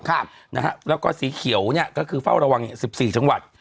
ครับนะฮะแล้วก็สีเขียวเนี้ยก็คือเฝ้าระวังสิบสี่จังหวัด